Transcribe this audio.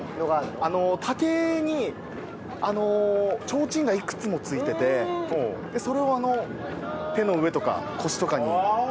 竹にちょうちんがいくつも付いててそれを手の上とか腰とかにのせる。